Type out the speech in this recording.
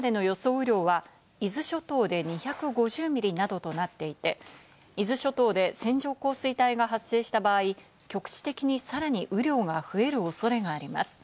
雨量は、伊豆諸島で２５０ミリなどとなっていて、伊豆諸島で線状降水帯が発生した場合、局地的にさらに雨量が増える恐れがあります。